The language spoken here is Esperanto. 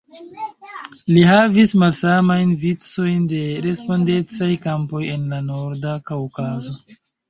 Li havis malsamajn vicojn de respondecaj kampoj en la Norda Kaŭkazo.